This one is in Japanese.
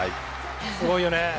すごいよね。